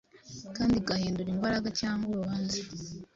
kandi igahindura Imbaraga cyangwa urubanza